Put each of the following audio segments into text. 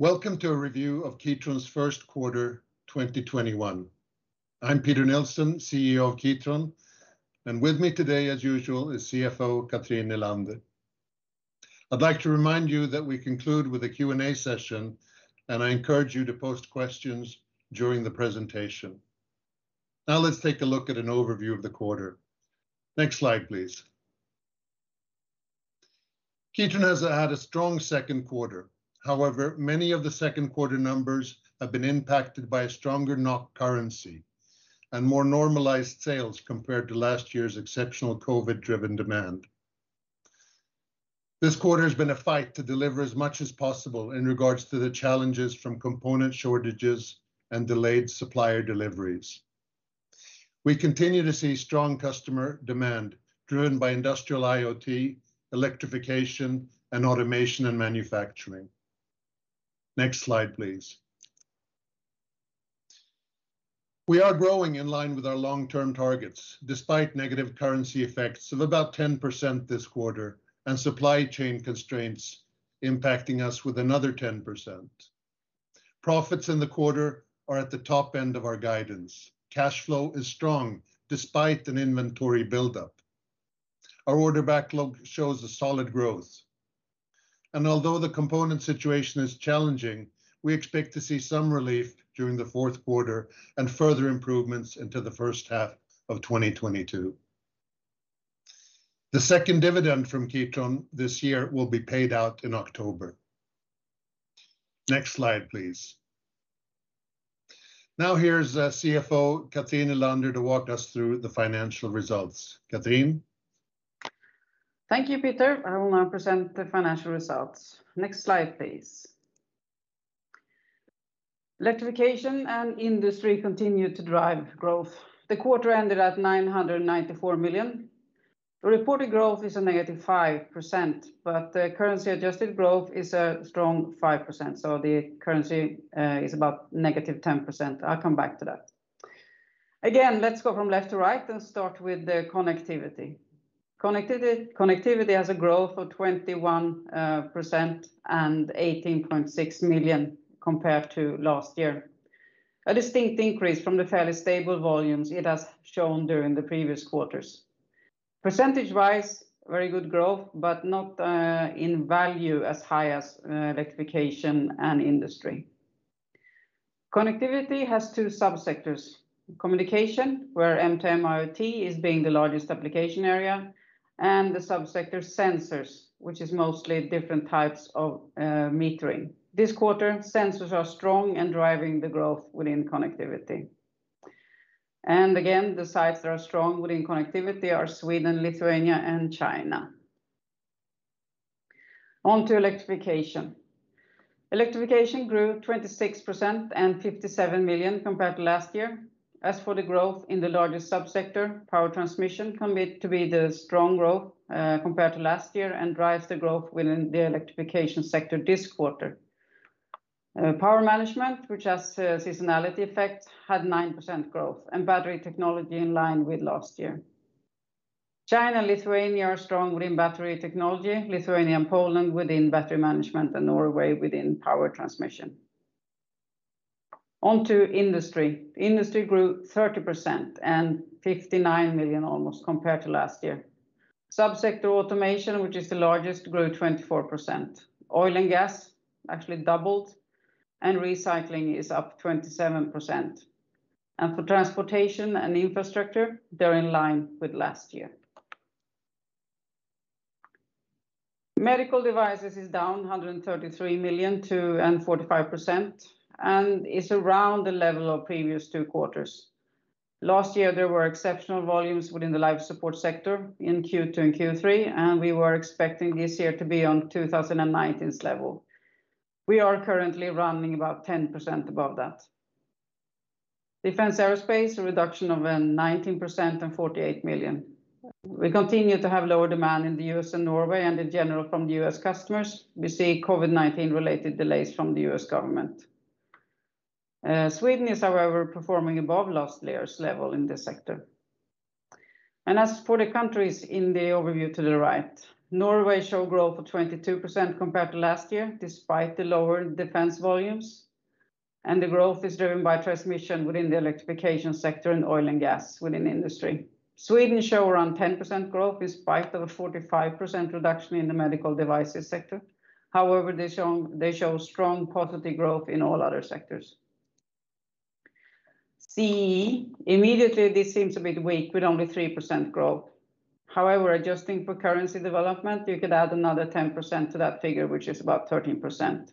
Welcome to a review of Kitron's first quarter 2021. I'm Peter Nilsson, CEO of Kitron, and with me today, as usual, is CFO Cathrin Nylander. I'd like to remind you that we conclude with a Q&A session, and I encourage you to post questions during the presentation. Let's take a look at an overview of the quarter. Next slide, please. Kitron has had a strong second quarter. Many of the second quarter numbers have been impacted by a stronger NOK currency and more normalized sales compared to last year's exceptional COVID-driven demand. This quarter's been a fight to deliver as much as possible in regards to the challenges from component shortages and delayed supplier deliveries. We continue to see strong customer demand driven by industrial IoT, electrification, and automation in manufacturing. Next slide, please. We are growing in line with our long-term targets, despite negative currency effects of about 10% this quarter and supply chain constraints impacting us with another 10%. Profits in the quarter are at the top end of our guidance. Cash flow is strong despite an inventory buildup. Our order backlog shows a solid growth. Although the component situation is challenging, we expect to see some relief during the fourth quarter and further improvements into the first half of 2022. The second dividend from Kitron this year will be paid out in October. Next slide, please. Now, here's CFO Cathrin Nylander to walk us through the financial results. Cathrin? Thank you, Peter. I will now present the financial results. Next slide, please. Electrification and Industry continue to drive growth. The quarter ended at 994 million. The reported growth is a -5%, but the currency-adjusted growth is a strong 5%, so the currency is about -10%. I will come back to that. Again, let's go from left to right and start with Connectivity. Connectivity has a growth of 21% and 18.6 million compared to last year. A distinct increase from the fairly stable volumes it has shown during the previous quarters. Percentage-wise, very good growth, but not in value as high as Electrification and Industry. Connectivity has two sub-sectors: communication, where M2M/IoT is being the largest application area, and the sub-sector sensors, which is mostly different types of metering. This quarter, sensors are strong and driving the growth within Connectivity. Again, the sites that are strong within Connectivity are Sweden, Lithuania, and China. On to Electrification. Electrification grew 26% and 57 million compared to last year. As for the growth in the largest sub-sector, power transmission continued to be the strong growth compared to last year and drives the growth within the Electrification sector this quarter. power management, which has seasonality effects, had 9% growth and battery technology in line with last year. China and Lithuania are strong within battery technology, Lithuania and Poland within battery management, and Norway within power transmission. On to Industry. Industry grew 30% and 59 million, almost, compared to last year. Sub-sector automation, which is the largest, grew 24%. oil and gas actually doubled, and recycling is up 27%. For transportation and infrastructure, they're in line with last year. Medical Devices is down 133 million to a 45% and is around the level of previous two quarters. Last year, there were exceptional volumes within the Life Support sector in Q2 and Q3. We were expecting this year to be on 2019's level. We are currently running about 10% above that. Defence/Aerospace, a reduction of 19% and 48 million. We continue to have low demand in the U.S. and Norway and in general from the U.S. customers. We see COVID-19 related delays from the U.S. government. Sweden is, however, performing above last year's level in this sector. As for the countries in the overview to the right, Norway show growth of 22% compared to last year, despite the lower Defence volumes. The growth is driven by transmission within the Electrification sector and oil and gas within the Industry. Sweden show around 10% growth despite a 45% reduction in the Medical Devices sector. They show strong quantity growth in all other sectors. CEE, immediately this seems a bit weak with only 3% growth. Adjusting for currency development, you could add another 10% to that figure, which is about 13%,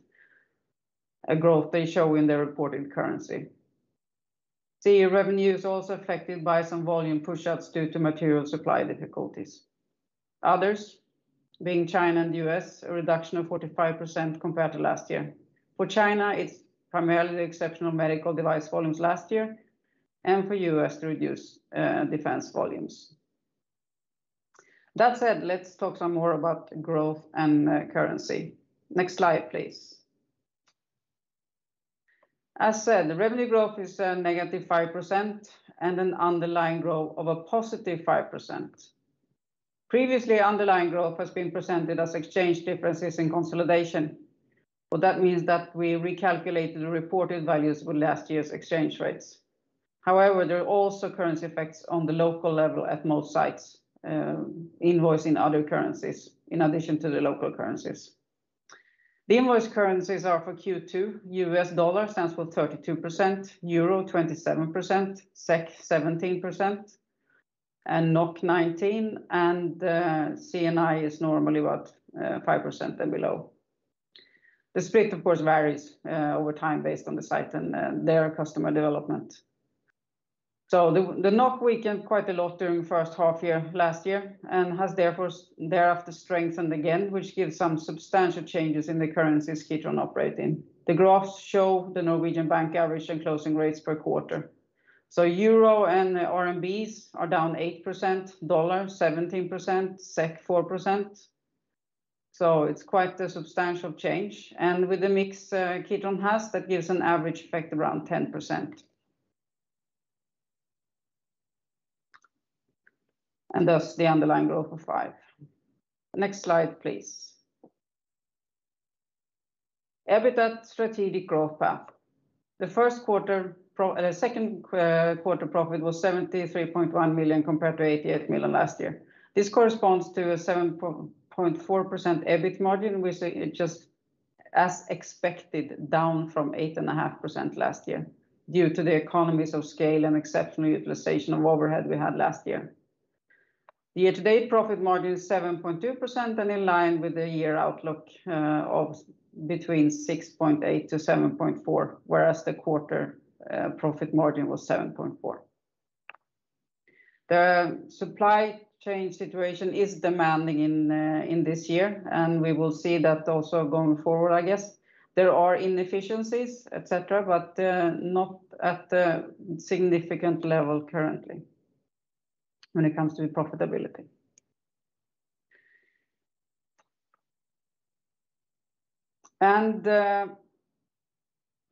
a growth they show in the reported currency. CEE revenue is also affected by some volume push-outs due to material supply difficulties. Others, being China and U.S., a reduction of 45% compared to last year. For China, it's primarily exceptional Medical Devices volumes last year, and for U.S., reduced defense volumes. That said, let's talk some more about growth and currency. Next slide, please. As said, the revenue growth is a negative 5% and an underlying growth of a positive 5%. Previously, underlying growth has been presented as exchange differences in consolidation. What that means is that we recalculated the reported values with last year's exchange rates. There are also currency effects on the local level at most sites, invoicing other currencies in addition to the local currencies. The invoice currencies are for Q2, USD stands for 32%, EUR 27%, SEK 17%, and 19, and CNY is normally 5% and below. The split, of course, varies over time based on the site and their customer development. The NOK weakened quite a lot during the first half last year and has thereafter strengthened again, which gives some substantial changes in the currencies Kitron operate in. The graphs show the Norwegian bank average and closing rates per quarter. EUR and RMB are down 8%, USD 17%, SEK 4%, so it's quite a substantial change. With the mix Kitron has, that gives an average effect around 10%. Thus the underlying growth of 5%. Next slide, please. EBITA strategic growth path. The second quarter profit was 73.1 million compared to 88 million last year. This corresponds to a 7.4% EBIT margin, which is just as expected, down from 8.5% last year due to the economies of scale and exceptional utilization of overhead we had last year. The year-to-date profit margin is 7.2% and in line with the year outlook of between 6.8%-7.4%, whereas the quarter profit margin was 7.4%. The supply chain situation is demanding in this year, we will see that also going forward, I guess. There are inefficiencies, et cetera, but not at a significant level currently when it comes to profitability.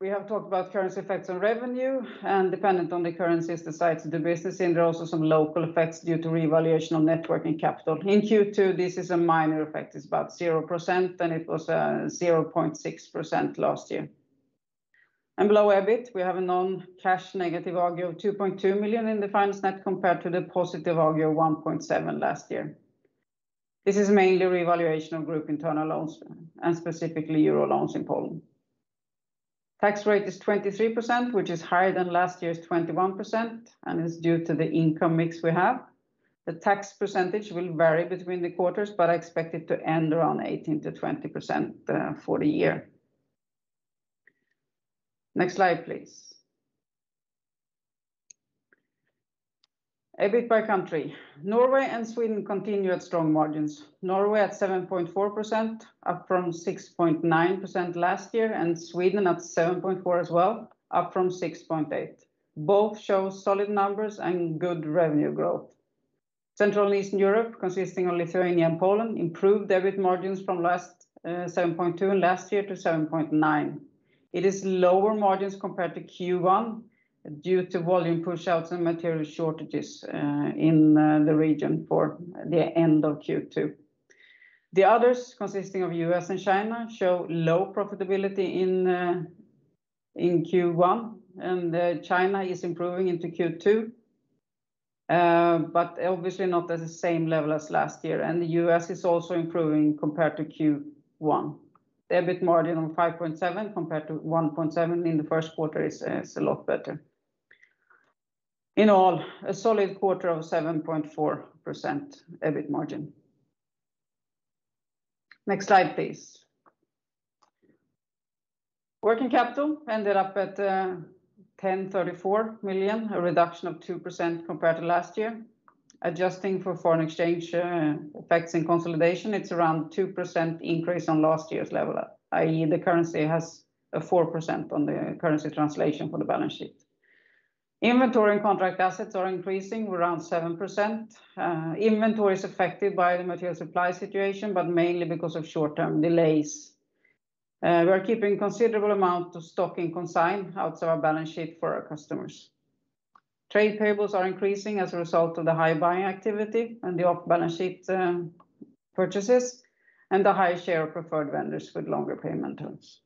We have talked about currency effects on revenue and dependent on the currencies, the sites of the business, and there are also some local effects due to revaluation of net working capital. In Q2, this is a minor effect. It's about 0%, and it was 0.6% last year. Below EBIT, we have a non-cash negative AGIO of 2.2 million in the finance net compared to the positive AGIO 1.7 million last year. This is mainly revaluation of group internal loans and specifically Euro loans in Poland. Tax rate is 23%, which is higher than last year's 21%, and it's due to the income mix we have. The tax percentage will vary between the quarters, but I expect it to end around 18%-20% for the year. Next slide, please. EBIT by country. Norway and Sweden continue at strong margins, Norway at 7.4%, up from 6.9% last year, and Sweden at 7.4% as well, up from 6.8%. Both show solid numbers and good revenue growth. Central and Eastern Europe, consisting of Lithuania and Poland, improved EBIT margins from 7.2% last year to 7.9%. It is lower margins compared to Q1 due to volume pushouts and material shortages in the region for the end of Q2. The others, consisting of U.S. and China, show low profitability in Q1, and China is improving into Q2, but obviously not at the same level as last year. The U.S. is also improving compared to Q1. The EBIT margin of 5.7% compared to 1.7% in the first quarter is a lot better. In all, a solid quarter of 7.4% EBIT margin. Next slide, please. Working capital ended up at 1,034 million, a reduction of 2% compared to last year. Adjusting for foreign exchange effects and consolidation, it's around 2% increase on last year's level, i.e. the currency has a 4% on the currency translation for the balance sheet. Inventory and contract assets are increasing around 7%. Inventory is affected by the material supply situation, but mainly because of short-term delays. We are keeping a considerable amount of stock in consign outside our balance sheet for our customers. Trade payables are increasing as a result of the high buying activity and the off-balance sheet purchases and the high share of preferred vendors with longer payment terms.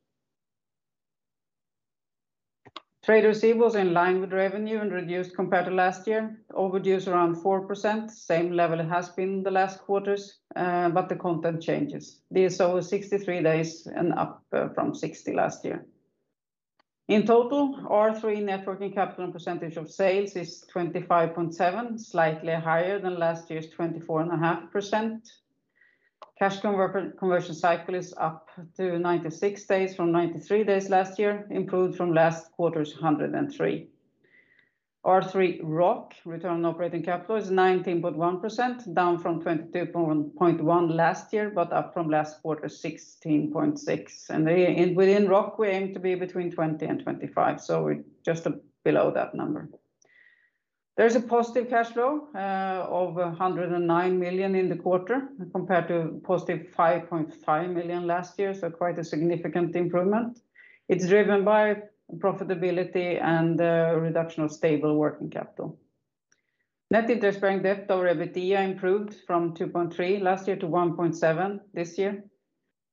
Trade receivables in line with revenue and reduced compared to last year. Overdue is around 4%, same level it has been the last quarters, but the content changes. DSO is 63 days and up from 60 last year. In total, R3 net working capital and percentage of sales is 25.7%, slightly higher than last year's 24.5%. Cash conversion cycle is up to 96 days from 93 days last year, improved from last quarter's 103 million. R3 ROC, return operating capital, is 19.1%, down from 22.1% last year, but up from last quarter's 16.6%. Within ROC, we aim to be between 20% and 25%, so we're just below that number. There's a positive cash flow of 109 million in the quarter compared to positive 5.5 million last year, so quite a significant improvement. It's driven by profitability and the reduction of stable working capital. Net interest-bearing debt to EBITDA improved from 2.3% last year to 1.7% this year.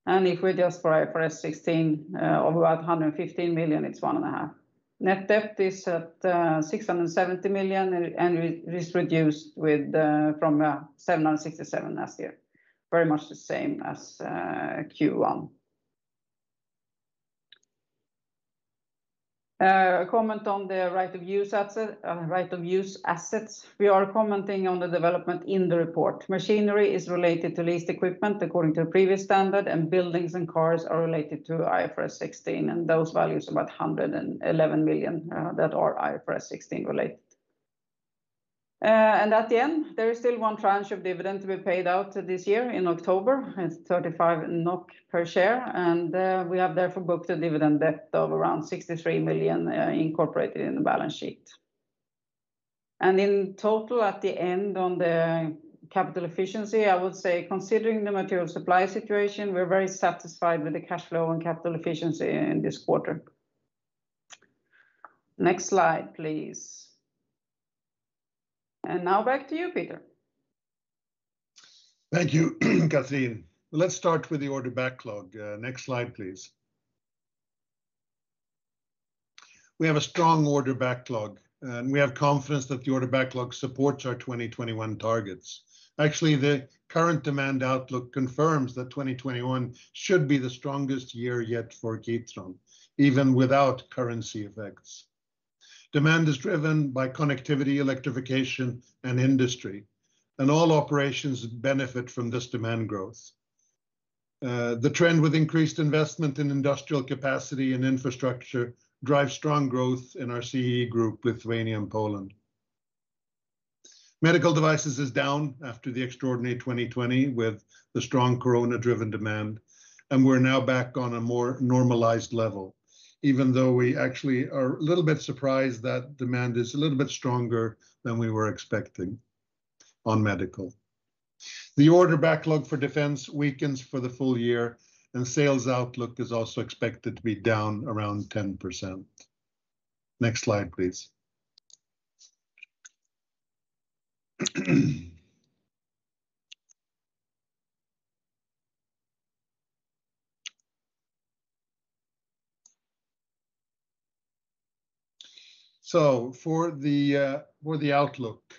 If we adjust for IFRS 16 of about 115 million, it's 1.5%. Net debt is at 670 million, and it is reduced from 767 million last year. Very much the same as Q1. A comment on the right-of-use assets. We are commenting on the development in the report. Machinery is related to leased equipment according to the previous standard, and buildings and cars are related to IFRS 16, and those values, about 111 million, that are IFRS 16 related. At the end, there is still one tranche of dividend to be paid out this year in October. It's 35 NOK per share, we have therefore booked a dividend debt of around 63 million incorporated in the balance sheet. In total, at the end on the capital efficiency, I would say considering the material supply situation, we're very satisfied with the cash flow and capital efficiency in this quarter. Next slide, please. Now back to you, Peter. Thank you, Cathrin. Let's start with the order backlog. Next slide, please. We have a strong order backlog, and we have confidence that the order backlog supports our 2021 targets. Actually, the current demand outlook confirms that 2021 should be the strongest year yet for Kitron, even without currency effects. Demand is driven by Connectivity, Electrification, and Industry, and all operations benefit from this demand growth. The trend with increased investment in industrial capacity and infrastructure drives strong growth in our CEE group, Lithuania, and Poland. Medical Devices is down after the extraordinary 2020 with the strong COVID-19-driven demand, and we're now back on a more normalized level, even though we actually are a little bit surprised that demand is a little bit stronger than we were expecting on Medical Devices. The order backlog for Defence weakens for the full year. Sales outlook is also expected to be down around 10%. Next slide, please. For the outlook,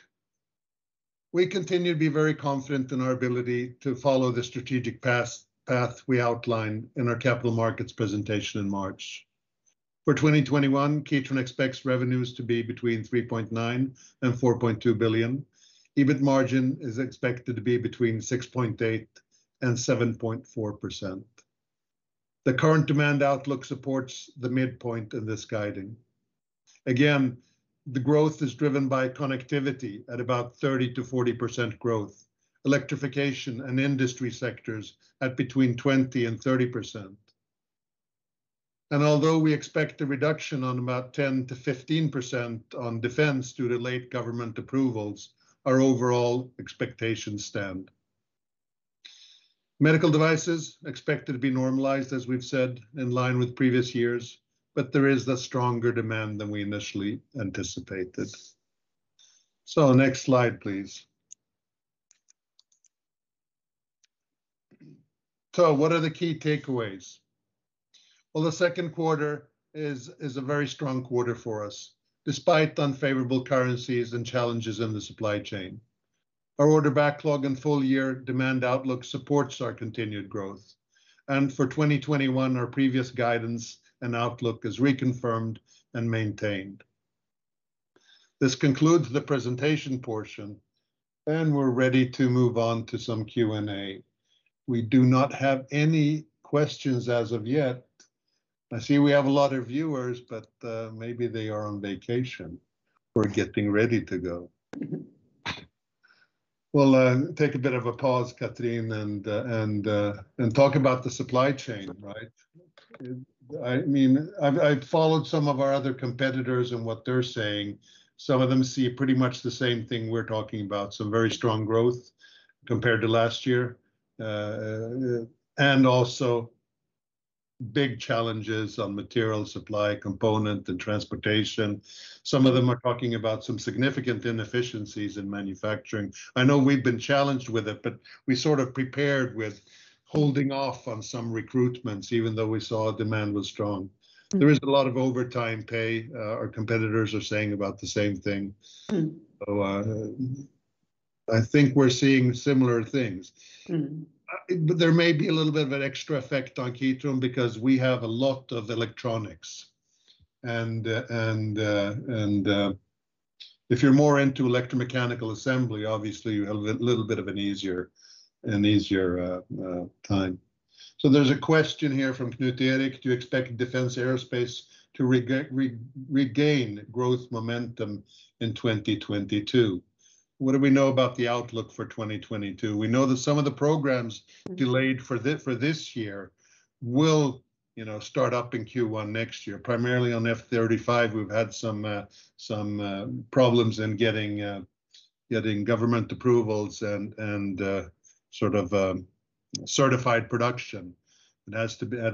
we continue to be very confident in our ability to follow the strategic path we outlined in our capital markets presentation in March. For 2021, Kitron expects revenues to be between 3.9 billion and 4.2 billion. EBIT margin is expected to be between 6.8%-7.4%. The current demand outlook supports the midpoint in this guiding. The growth is driven by Connectivity at about 30%-40% growth, Electrification and Industry sectors at between 20%-30%. Although we expect a reduction on about 10%-15% on Defence due to late government approvals, our overall expectations stand. Medical Devices expected to be normalized, as we've said, in line with previous years, but there is a stronger demand than we initially anticipated. Next slide, please. What are the key takeaways? Well, the second quarter is a very strong quarter for us, despite unfavorable currencies and challenges in the supply chain. Our order backlog and full year demand outlook supports our continued growth, and for 2021, our previous guidance and outlook is reconfirmed and maintained. This concludes the presentation portion, and we're ready to move on to some Q&A. We do not have any questions as of yet. I see we have a lot of viewers, but maybe they are on vacation or getting ready to go. We'll take a bit of a pause, Cathrin, and talk about the supply chain, right? I've followed some of our other competitors and what they're saying. Some of them see pretty much the same thing we're talking about, some very strong growth compared to last year, and also big challenges on material supply, component, and transportation. Some of them are talking about some significant inefficiencies in manufacturing. I know we've been challenged with it, but we sort of prepared with holding off on some recruitments, even though we saw demand was strong. There is a lot of overtime pay. Our competitors are saying about the same thing. I think we're seeing similar things. There may be a little bit of an extra effect on Kitron because we have a lot of electronics. If you're more into electromechanical assembly, obviously you have a little bit of an easier time. There's a question here from Knut Erik: Do you expect Defence/Aerospace to regain growth momentum in 2022? What do we know about the outlook for 2022? We know that some of the programs delayed for this year will start up in Q1 next year, primarily on F-35. We've had some problems in getting government approvals and certified production. It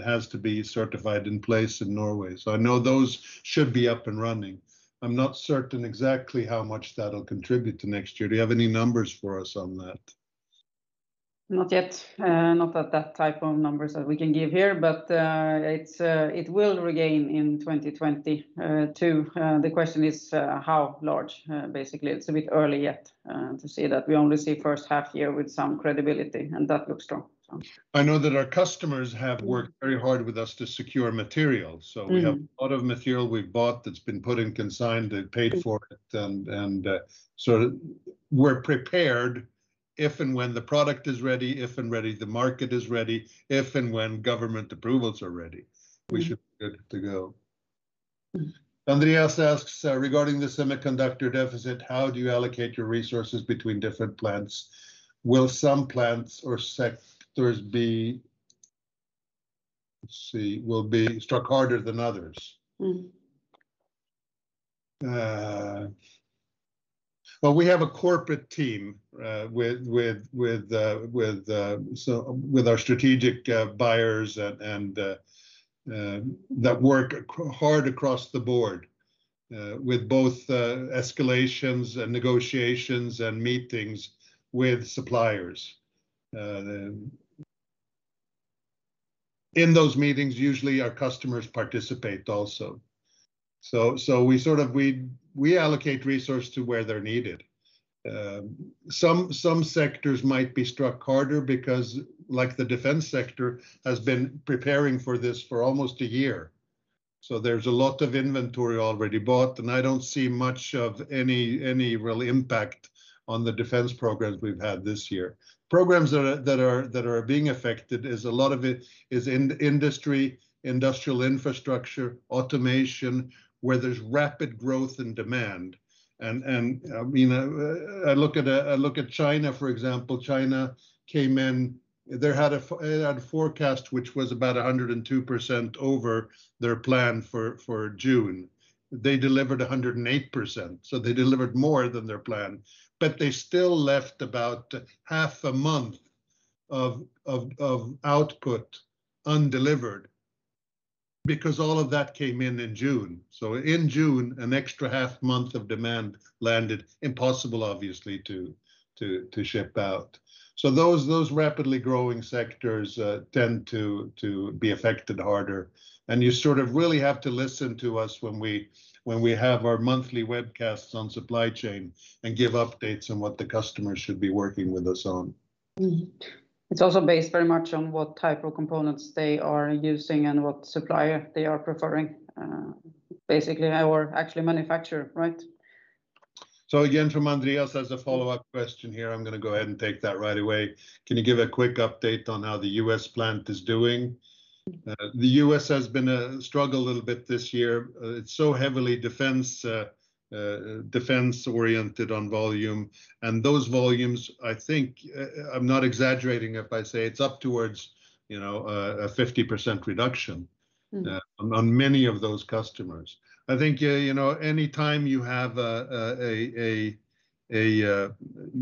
has to be certified in place in Norway. I know those should be up and running. I'm not certain exactly how much that'll contribute to next year. Do you have any numbers for us on that? Not yet. Not that type of numbers that we can give here. It will regain in 2022. The question is how large. Basically, it is a bit early yet to say that. We only see first half year with some credibility, and that looks strong. I know that our customers have worked very hard with us to secure material. We have a lot of material we've bought that's been put in consigned and paid for, we're prepared if and when the product is ready, if and when the market is ready, if and when government approvals are ready. We should be good to go. Andreas asks, "Regarding the semiconductor deficit, how do you allocate your resources between different plants? Will some plants or sectors be struck harder than others?" Well, we have a corporate team with our strategic buyers that work hard across the board with both escalations and negotiations and meetings with suppliers. In those meetings, usually our customers participate also. We allocate resources to where they're needed. Some sectors might be struck harder because, like the Defence/Aerospace sector, has been preparing for this for almost a year. There's a lot of inventory already bought, and I don't see much of any real impact on the Defence programs we've had this year. Programs that are being affected, a lot of it is Industry, industrial infrastructure, automation, where there's rapid growth and demand. I look at China, for example. China came in, they had a forecast which was about 102% over their plan for June. They delivered 108%, so they delivered more than their plan, but they still left about half a month of output undelivered because all of that came in in June. In June, an extra half month of demand landed. Impossible, obviously, to ship out. Those rapidly growing sectors tend to be affected harder, and you really have to listen to us when we have our monthly webcasts on supply chain and give updates on what the customers should be working with us on. It's also based very much on what type of components they are using and what supplier they are preferring. Basically, our actual manufacturer, right? Again, from Andreas, there's a follow-up question here. I'm going to go ahead and take that right away. Can you give a quick update on how the U.S. plant is doing? The U.S. has been a struggle a little bit this year. It's so heavily defense-oriented on volume, and those volumes, I think, I'm not exaggerating if I say it's up towards a 50% reduction on many of those customers. I think anytime you have a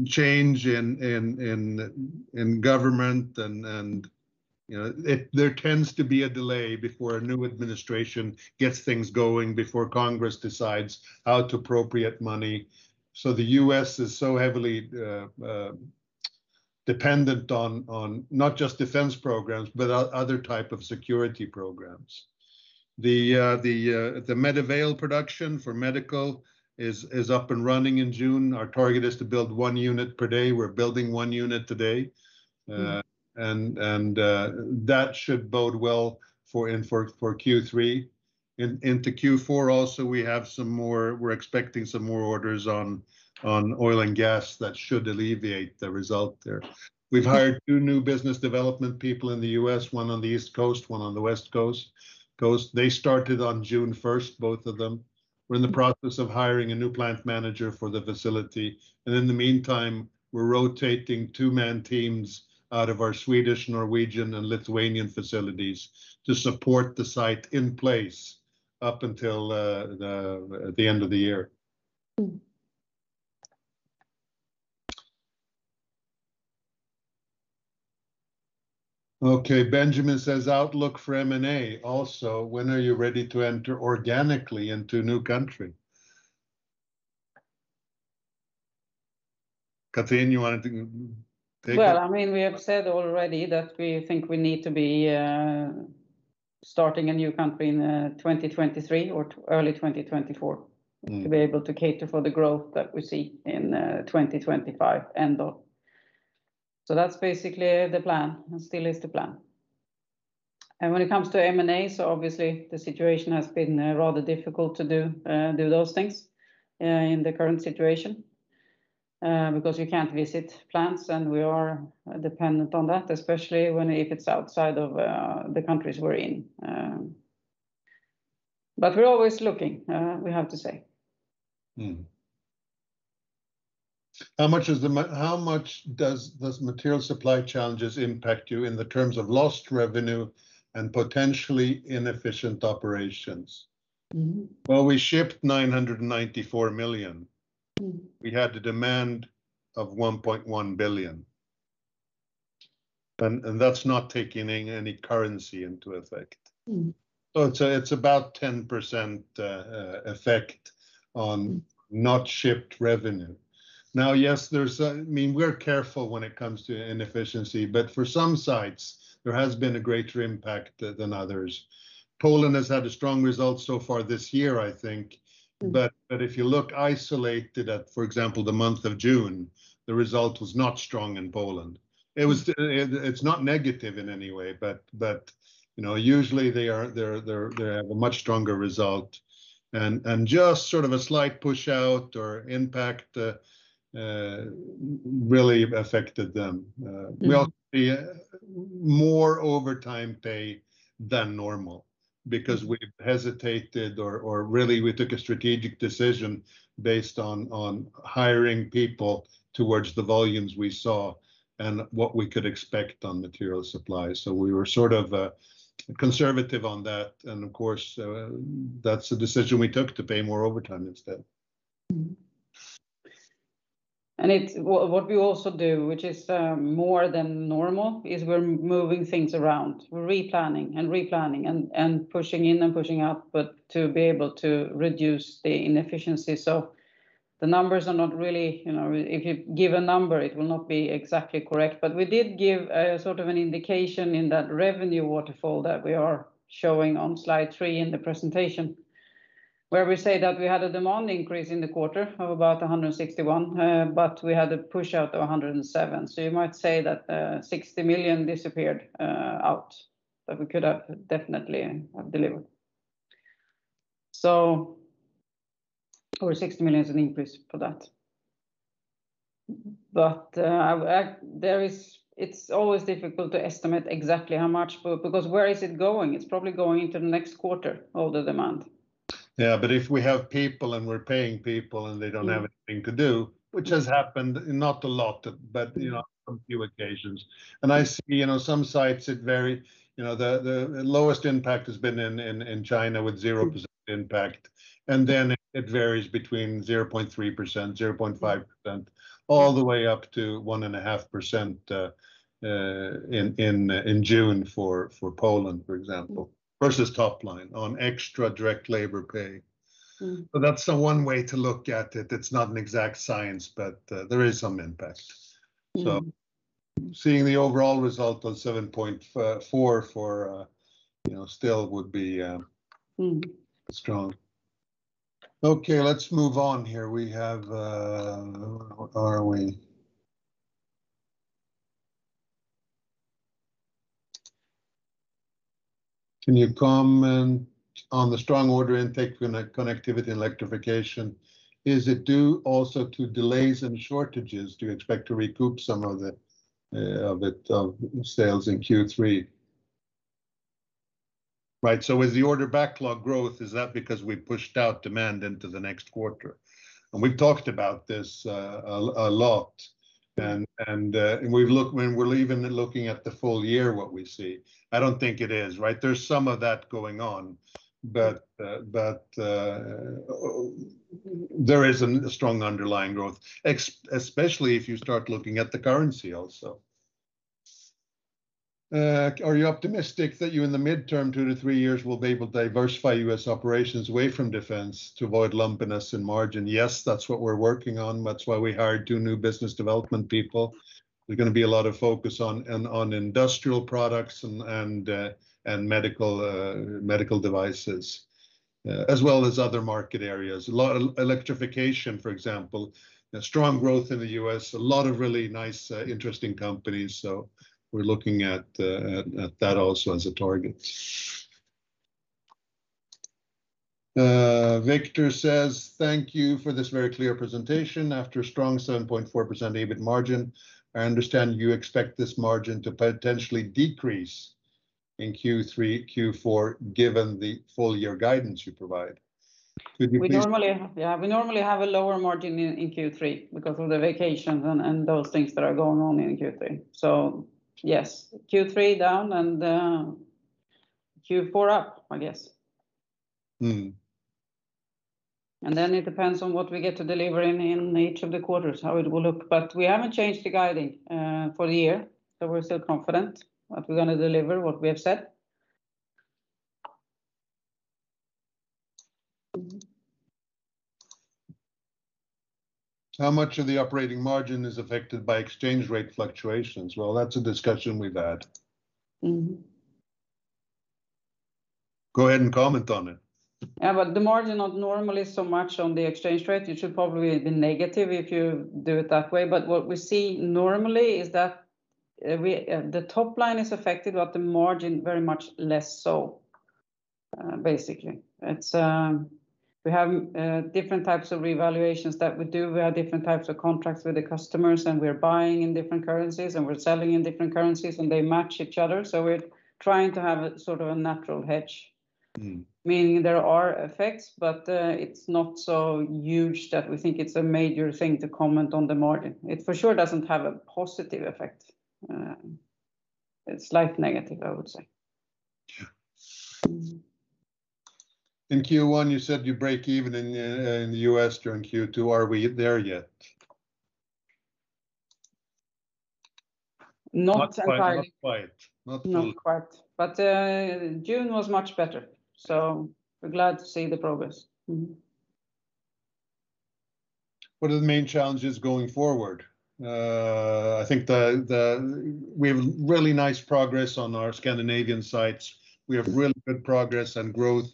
change in government, there tends to be a delay before a new administration gets things going, before Congress decides how to appropriate money. The U.S. is so heavily dependent on not just defense programs, but other type of security programs. The Medivale production for medical is up and running in June. Our target is to build one unit per day. We're building one unit today. That should bode well for Q3. Into Q4 also, we're expecting some more orders on oil and gas that should alleviate the result there. We've hired two new business development people in the U.S., one on the East Coast, one on the West Coast. They started on June 1st, both of them. We're in the process of hiring a new plant manager for the facility, and in the meantime, we're rotating two-man teams out of our Swedish, Norwegian, and Lithuanian facilities to support the site in place up until the end of the year. Okay, Benjamin says, "Outlook for M&A. Also, when are you ready to enter organically into new country?" Cathrin, you wanted to take that? We have said already that we think we need to be starting a new country in 2023 or early 2024 to be able to cater for the growth that we see in 2025 and on. That's basically the plan, and still is the plan. When it comes to M&A, obviously the situation has been rather difficult to do those things in the current situation because you can't visit plants, and we are dependent on that, especially if it's outside of the countries we're in. We're always looking, we have to say. Mm-hmm. How much does material supply challenges impact you in the terms of lost revenue and potentially inefficient operations? Well, we shipped 994 million. We had a demand of 1.1 billion. That's not taking any currency into effect. It's about 10% effect on not shipped revenue. Yes, we're careful when it comes to inefficiency, but for some sites, there has been a greater impact than others. Poland has had a strong result so far this year, I think. If you look isolated at, for example, the month of June, the result was not strong in Poland. It's not negative in any way, but usually they have a much stronger result and just sort of a slight push-out or impact really affected them. We also see more overtime pay than normal because we've hesitated or really we took a strategic decision based on hiring people towards the volumes we saw and what we could expect on material supply. We were sort of conservative on that. Of course, that's a decision we took to pay more overtime instead. What we also do, which is more than normal, is we're moving things around. We're replanning and replanning and pushing in and pushing out, to be able to reduce the inefficiency. The numbers are not really, if you give a number, it will not be exactly correct. We did give sort of an indication in that revenue waterfall that we are showing on slide three in the presentation, where we say that we had a demand increase in the quarter of about 161 million, but we had a push out of 107 million. You might say that 60 million disappeared out that we could have definitely delivered. 60 million is an increase for that. It's always difficult to estimate exactly how much, because where is it going? It's probably going into the next quarter, all the demand. Yeah, if we have people and we're paying people and they don't have anything to do, which has happened, not a lot, but on a few occasions. I see some sites, the lowest impact has been in China with 0% impact, then it varies between 0.3%, 0.5%, all the way up to 1.5% in June for Poland, for example, versus top line on extra direct labor pay. That's the one way to look at it. It's not an exact science, but there is some impact. Seeing the overall result of 7.4% still would be strong. Okay, let's move on here. Where are we? "Can you comment on the strong order intake Connectivity Electrification? Is it due also to delays and shortages? Do you expect to recoup some of it sales in Q3?" Right. With the order backlog growth, is that because we pushed out demand into the next quarter? We've talked about this a lot, and when we're even looking at the full year, what we see. I don't think it is. There's some of that going on, but there is a strong underlying growth, especially if you start looking at the currency also. "Are you optimistic that you, in the midterm two to three years, will be able to diversify U.S. operations away from Defence to avoid lumpiness in margin?" Yes, that's what we're working on. That's why we hired two new business development people. There's going to be a lot of focus on industrial products and Medical Devices, as well as other market areas. Electrification, for example, strong growth in the U.S. A lot of really nice, interesting companies. We're looking at that also as a target. Victor says, "Thank you for this very clear presentation. After a strong 7.4% EBIT margin, I understand you expect this margin to potentially decrease in Q3, Q4, given the full year guidance you provide." Could you please? Yeah, we normally have a lower margin in Q3 because of the vacations and those things that are going on in Q3. Yes, Q3 down and Q4 up, I guess. It depends on what we get to deliver in each of the quarters, how it will look. We haven't changed the guiding for the year. We're still confident that we're going to deliver what we have said. How much of the operating margin is affected by exchange rate fluctuations?" Well, that's a discussion we've had. Go ahead and comment on it. The margin not normally so much on the exchange rate. It should probably be negative if you do it that way. What we see normally is that the top line is affected, but the margin very much less so. Basically, we have different types of evaluations that we do. We have different types of contracts with the customers, and we're buying in different currencies, and we're selling in different currencies, and they match each other. We're trying to have a natural hedge. Meaning there are effects, but it's not so huge that we think it's a major thing to comment on the margin. It for sure doesn't have a positive effect. It's slightly negative, I would say. In Q1 you said you break even in the U.S. during Q2. Are we there yet? Not quite. Not quite. Not quite. June was much better, so we're glad to see the progress. Mm-hmm. What are the main challenges going forward? I think that we have really nice progress on our Scandinavian sites. We have really good progress and growth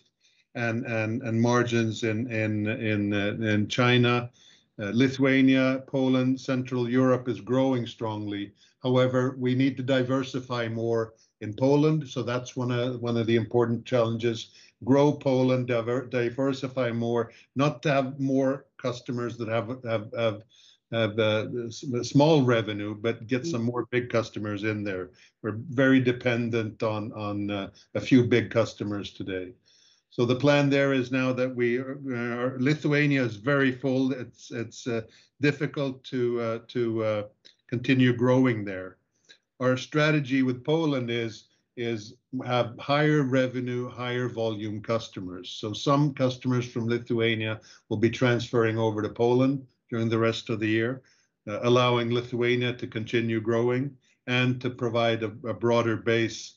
and margins in China. Lithuania, Poland, Central Europe is growing strongly. However, we need to diversify more in Poland, so that's one of the important challenges. Grow Poland, diversify more. Not to have more customers that have small revenue, but get some more big customers in there. We're very dependent on a few big customers today. The plan there is now that Lithuania is very full. It's difficult to continue growing there. Our strategy with Poland is to have higher revenue, higher volume customers. Some customers from Lithuania will be transferring over to Poland during the rest of the year, allowing Lithuania to continue growing and to provide a broader base of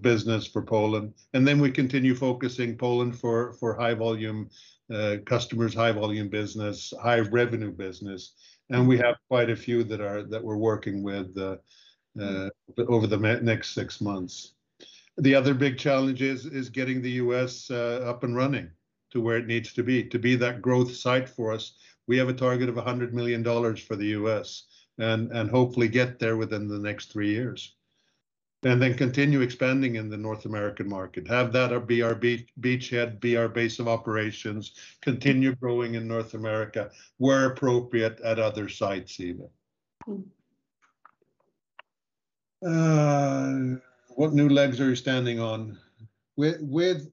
business for Poland. We continue focusing Poland for high volume customers, high volume business, high revenue business. We have quite a few that we're working with over the next six months. The other big challenge is getting the U.S. up and running to where it needs to be. To be that growth site for us, we have a target of $100 million for the U.S. and hopefully get there within the next three years. Continue expanding in the North American market. Have that be our beachhead, be our base of operations, continue growing in North America, where appropriate, at other sites even. What new legs are you standing on? With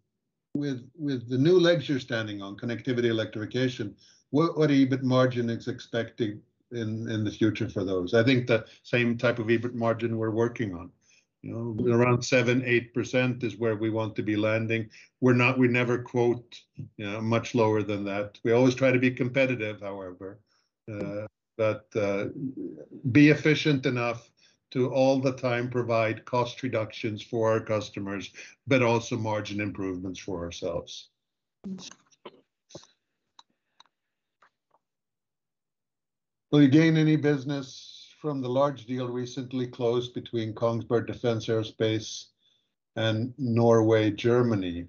the new legs you're standing on, Connectivity, Electrification, what EBIT margin is expected in the future for those? I think the same type of EBIT margin we're working on. Around 7, 8% is where we want to be landing. We never quote much lower than that. We always try to be competitive, however. Be efficient enough to all the time provide cost reductions for our customers, but also margin improvements for ourselves. Will you gain any business from the large deal recently closed between Kongsberg Defence & Aerospace and Norway, Germany?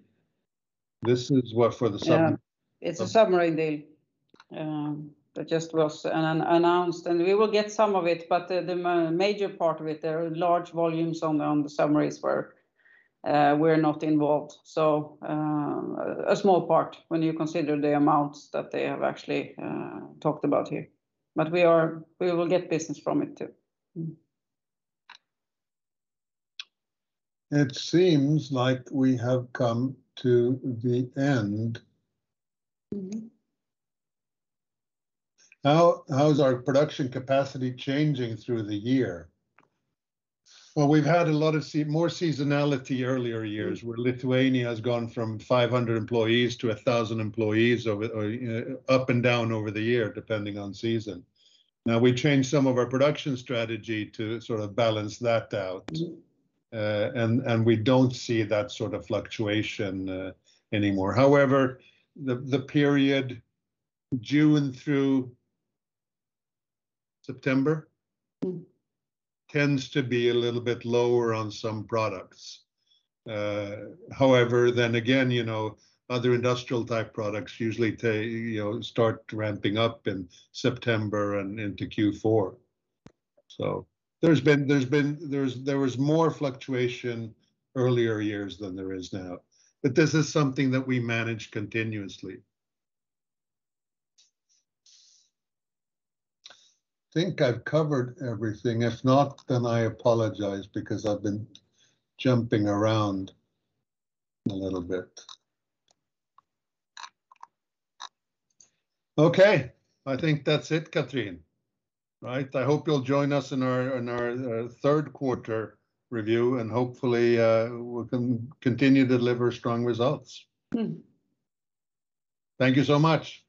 This is what, for the submarine? Yeah. It's a submarine that just was announced, and we will get some of it, but the major part of it, there are large volumes on the submarines where we're not involved. A small part when you consider the amounts that they have actually talked about here. We will get business from it, too. It seems like we have come to the end. How is our production capacity changing through the year? Well, we've had a lot of more seasonality earlier years, where Lithuania has gone from 500 employees to 1,000 employees up and down over the year, depending on season. We changed some of our production strategy to sort of balance that out, and we don't see that sort of fluctuation anymore. The period June through September tends to be a little bit lower on some products. Then again, other industrial type products usually start ramping up in September and into Q4. There was more fluctuation earlier years than there is now. This is something that we manage continuously. I think I've covered everything. If not, I apologize, because I've been jumping around a little bit. Okay. I think that's it, Cathrin. Right? I hope you'll join us in our third quarter review, and hopefully we can continue to deliver strong results. Thank you so much.